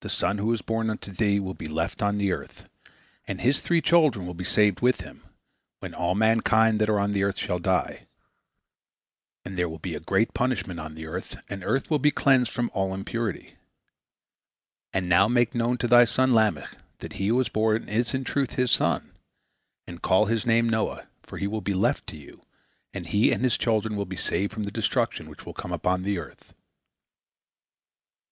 This son who is born unto thee will be left on the earth, and his three children will be saved with him, when all mankind that are on the earth shall die. And there will be a great punishment on the earth, and the earth will be cleansed from all impurity. And now make known to thy son Lamech that he who was born is in truth his son, and call his name Noah, for he will be left to you, and he and his children will be saved from the destruction which will come upon the earth."